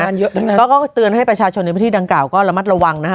เยอะทั้งนั้นก็เตือนให้ประชาชนในพื้นที่ดังกล่าวก็ระมัดระวังนะฮะ